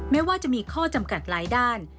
แม้ว่าจะมีข้อจำกัดหลายด้าน